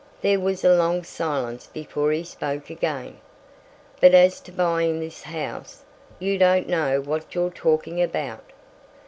There was a long silence before he spoke again. "But as to buying this house—you don't know what you're talking about!"